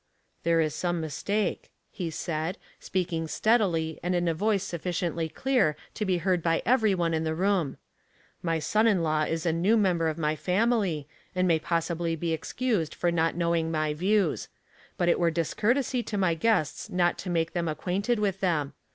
" There is some mistake," he said, speaking steadily and in a voice sufficiently clear to be heard by every one in the room. " My son in law is a new member of my family, and may pos sibly be excused for not knowing my views. But it were discourtesy to my guests not to make them acquainted with them.